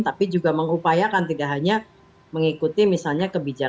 tapi juga mengupayakan tidak hanya mengikuti misalnya kebijakan